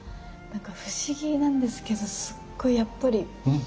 何か不思議なんですけどすっごい